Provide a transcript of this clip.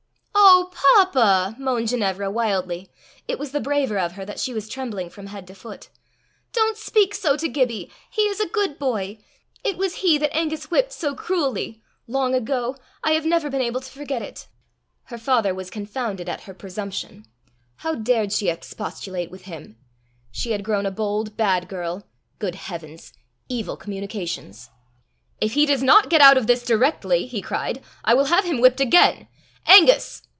"O papa!" moaned Ginevra wildly it was the braver of her that she was trembling from head to foot "don't speak so to Gibbie. He is a good boy. It was he that Angus whipped so cruelly long ago: I have never been able to forget it." Her father was confounded at her presumption: how dared she expostulate with him! She had grown a bold, bad girl! Good heavens! Evil communications! "If he does not get out of this directly," he cried, "I will have him whipped again. Angus!"